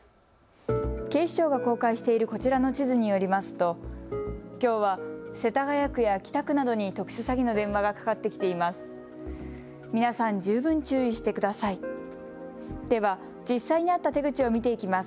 警視庁が公開しているこちらの地図によりますときょうは世田谷区や北区などに特殊詐欺の電話がかかってきています。